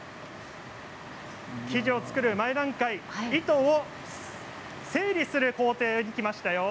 生地を作る前段階糸を整理する工程に来ましたよ。